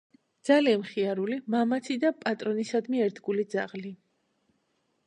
ძალიან მხიარული, მამაცი და პატრონისადმი ერთგული ძაღლი.